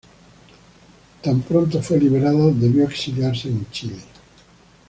Tan pronto fue liberada debió exiliarse en Chile.